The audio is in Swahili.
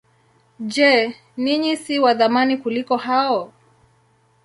Je, ninyi si wa thamani kuliko hao?